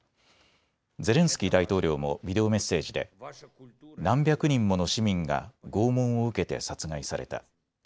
ゼレンスキー大統領もビデオメッセージで何百人もの市民が拷問を受けて殺害された。